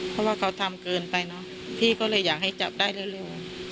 เพราะว่าเขาทำเกินไปเนอะพี่ก็เลยอยากให้จับได้เร็ว